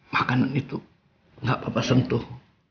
makanan itu gak papa sentuh